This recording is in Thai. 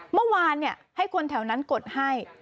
เมื่อวานให้คนแถวนั้นกดให้